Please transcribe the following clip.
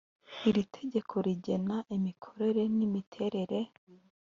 iri tegeko rigena imikorere n imiterere